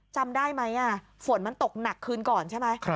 จำได้ไหมฝนมันตกหนักคืนก่อนใช่ไหม